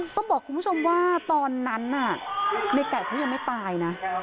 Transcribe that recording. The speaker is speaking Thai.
ต้องบอกคุณผู้ชมว่าตอนนั้นน่ะในไก่เขายังไม่ตายนะ